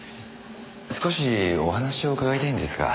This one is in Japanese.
少しお話を伺いたいんですが。